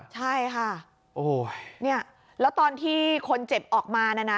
ใช่ค่ะแล้วตอนที่คนเจ็บออกมานะนะ